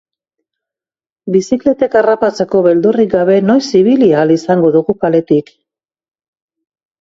Bizikletek harrapatzeko beldurrik gabe noiz ibili ahal izango dugu kaletik?